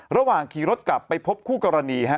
ระหว่างขี่รถกลับไปพบคู่กรณีฮะ